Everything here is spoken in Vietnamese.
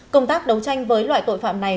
công tác đấu tranh với loại tội phạm này